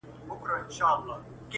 په یوه ژبه ږغېږي سره خپل دي٫